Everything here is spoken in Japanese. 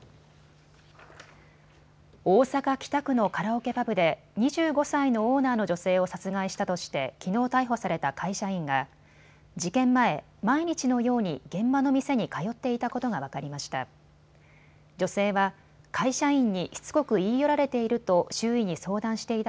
大阪北区のカラオケパブで２５歳のオーナーの女性を殺害したとしてきのう逮捕された会社員が事件前、毎日のように現場の店に通っていたことが分かりました。